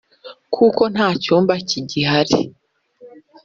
kuko nta cyambu kigihari.